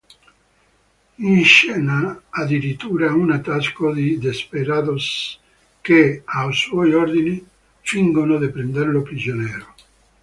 Inscena addirittura un attacco di desperados che, ai suoi ordini, fingono di prenderlo prigioniero.